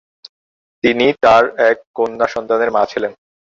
তিনি তার এক কন্যা সন্তানের মা ছিলেন।